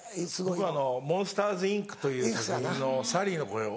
僕『モンスターズ・インク』という作品のサリーの声を。